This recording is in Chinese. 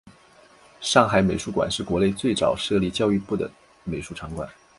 上海美术馆是国内最早设立教育部的美术场馆。